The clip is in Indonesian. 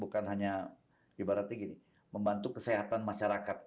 bukan hanya gibelston kira kira ini membantu kesehatan masyarakat